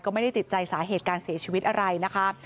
ก็ไม่ได้ติดใจสาเหตุการเสียชีวิตอะไรนะคะ